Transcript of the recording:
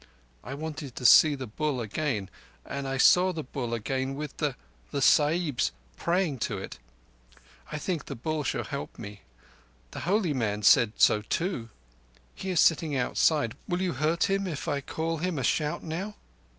I wanted to see the Bull again, and I saw the Bull again with the—the Sahibs praying to it. I think the Bull shall help me. The holy man said so too. He is sitting outside. Will you hurt him, if I call him a shout now?